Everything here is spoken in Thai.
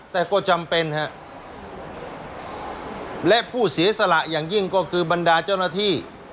แต่ก็จำเป็นฮะและผู้เสียสละอย่างยิ่งก็คือบรรดาเจ้าหน้าที่